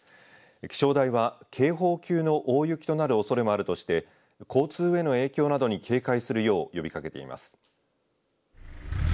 気象台は警報級の大雪となるおそれもあるとして交通への影響などに警戒するよう呼びかけています。